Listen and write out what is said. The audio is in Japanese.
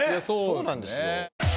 そうなんですよ。